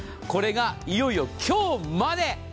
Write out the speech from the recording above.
これがいよいよ今日まで！